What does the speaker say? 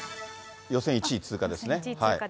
予選１位通過ですね。